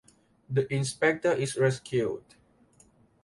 The inspector is rescued.